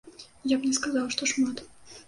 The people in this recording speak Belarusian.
Я б не сказаў, што шмат.